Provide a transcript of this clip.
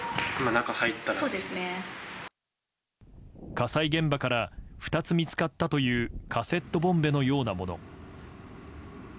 火災現場から２つ見つかったというカセットボンベのようなもの。